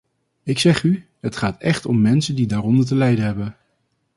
Ik zeg u, het gaat echt om mensen die daaronder te lijden hebben.